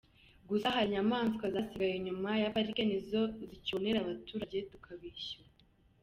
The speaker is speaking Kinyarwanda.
Gusa hari inyamaswa zasigaye inyuma ya pariki ni zo zicyonera abaturage tukabishyura.